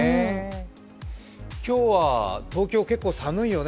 今日は東京、結構寒いよね。